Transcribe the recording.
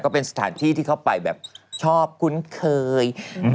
เป็นสถานที่ที่เข้าไปแบบชอบคุ้นเคย